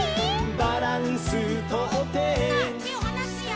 「バランスとって」さあてをはなすよ。